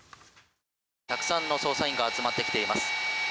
たくさんの捜査員が集まっています。